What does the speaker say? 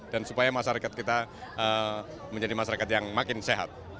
dan supaya masyarakat kita menjadi masyarakat yang makin sehat